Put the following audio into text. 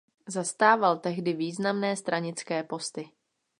Zastával tehdy významné stranické posty.